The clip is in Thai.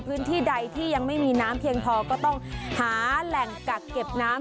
พื้นที่ใดที่ยังไม่มีน้ำเพียงพอก็ต้องหาแหล่งกักเก็บน้ำ